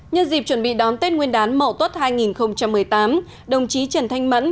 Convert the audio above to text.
nhân dịp chuẩn bị đón tết nguyên đán mậu tuất hai nghìn một mươi tám đồng chí trần thanh mẫn